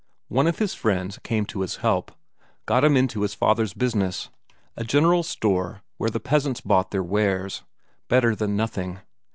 One of his friends came to his help, got him into his father's business, a general store where the peasants bought their wares better than nothing.